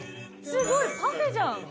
すごいパフェじゃん。